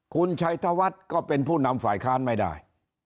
คุณชัยธวัฒน์ก็เป็นผู้นำฝ่ายค้านไม่ได้